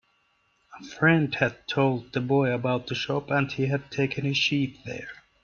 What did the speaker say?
A friend had told the boy about the shop, and he had taken his sheep there.